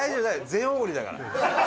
全おごりだから。